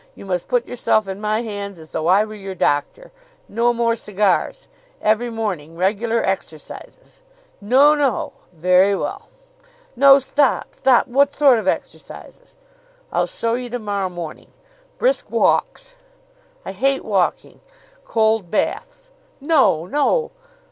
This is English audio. You must put yourself in my hands as though I were your doctor. No more cigars. Every morning regular exercises." "No, no!" "Very well!" "No; stop! Stop! What sort of exercises?" "I'll show you to morrow morning. Brisk walks." "I hate walking." "Cold baths." "No, no!"